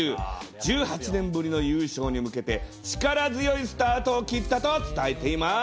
１８年ぶりの優勝に向けて、力強いスタートを切ったと伝えています。